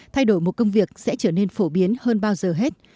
thay đổi một công việc sẽ trở nên phổ biến hơn bao giờ hết